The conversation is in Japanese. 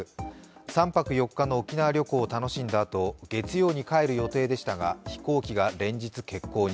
３泊４日の沖縄旅行を楽しんだあと月曜に帰る予定でしたが飛行機が連日欠航に。